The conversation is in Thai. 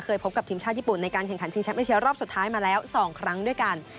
พบกับทีมชาติญี่ปุ่นในการแข่งขันชิงแชมป์เอเชียรอบสุดท้ายมาแล้ว๒ครั้งด้วยกัน